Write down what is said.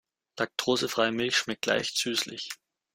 Laktosefreie Milch schmeckt leicht süßlich.